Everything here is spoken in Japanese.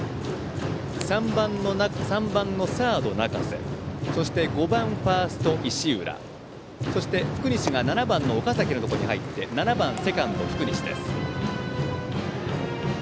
３番のサード、中瀬そして５番ファースト、石浦福西が７番の岡崎のところに入って７番セカンド、福西です。